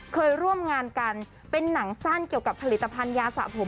เคยร่วมงานกันเป็นหนังสั้นเกี่ยวกับผลิตภัณฑ์ยาสะผม